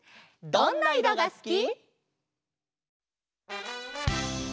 「どんないろがすき」「」